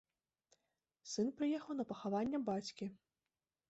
Сын прыехаў на пахаванне бацькі.